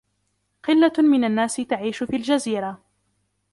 قلة من الناس تعيش في الجزيرة.